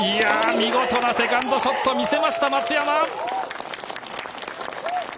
見事なセカンドショット見せました、松山。